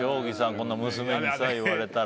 こんな娘にさ言われたら。